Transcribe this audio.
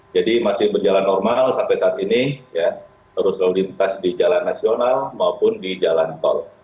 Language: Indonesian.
jadi masih berjalan normal sampai saat ini arus lalu lintas di jalan nasional maupun di jalan tol